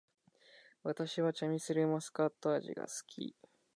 私はチャミスルマスカット味が好き